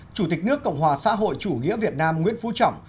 chủ tịch nước cộng hòa xã hội chủ nghĩa việt nam nguyễn phú trọng